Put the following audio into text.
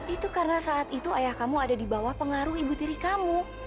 itu karena saat itu ayah kamu ada di bawah pengaruh ibu tiri kamu